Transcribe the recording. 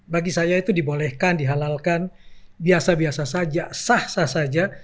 bagi saya itu dibolehkan dihalalkan biasa biasa saja sah sah saja